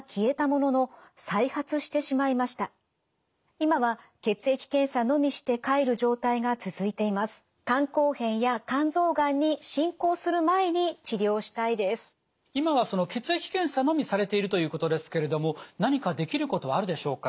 今は血液検査のみされているということですけれども何かできることはあるでしょうか？